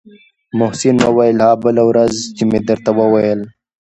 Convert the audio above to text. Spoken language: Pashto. محسن وويل ها بله ورځ چې مې درته وويل.